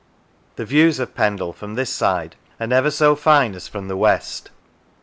The views of Pendle from this side are never so fine as from the west.